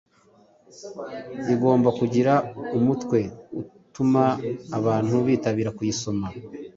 Igomba kugira umutwe utuma abantu bitabira kuyisoma.